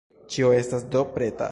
Ĉio estas do preta.